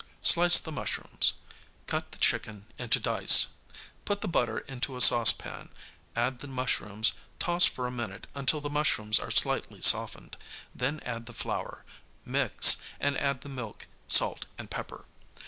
Slice the mushrooms. Cut the chicken into dice. Put the butter into a saucepan, add the mushrooms, toss for a minute until the mushrooms are slightly softened, then add the flour, mix, and add the milk, salt and pepper.